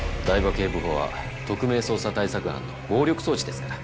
警部補は特命捜査対策班の暴力装置ですから。